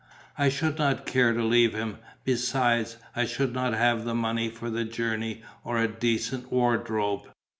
I should not care to leave him; besides, I should not have the money for the journey or a decent wardrobe."